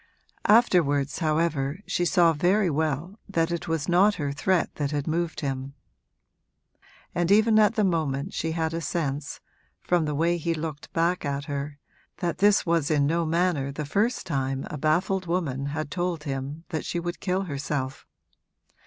Afterwards, however, she saw very well that it was not her threat that had moved him, and even at the moment she had a sense, from the way he looked back at her, that this was in no manner the first time a baffled woman had told him that she would kill herself.